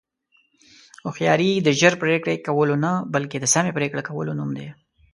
هوښیاري د ژر پرېکړې کولو نه، بلکې د سمې پرېکړې کولو نوم دی.